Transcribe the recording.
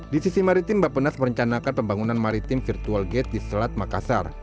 di sisi maritim bapenas merencanakan pembangunan maritim virtual gate di selat makassar